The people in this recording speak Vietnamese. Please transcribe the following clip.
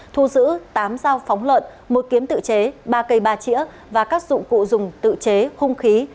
thu giữ tám dao phóng lợn một kiếm tự chế ba cây ba trĩa và các dụng cụ dùng tự chế hung khí